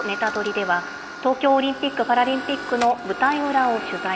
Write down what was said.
では、東京オリンピック・パラリンピックの舞台裏を取材。